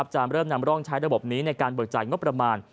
จะเริ่มนำร่องใช้ระบบนี้ในการเบิกจ่ายงบประมาณ